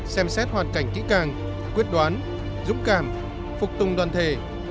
xem xét hoàn cảnh kỹ càng quyết đoán dũng cảm phục tùng đoàn thể